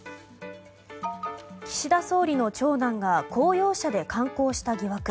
岸田総理の長男が公用車で観光した疑惑。